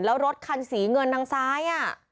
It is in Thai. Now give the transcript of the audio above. แล้วรถคันสีเงินทางซ้าย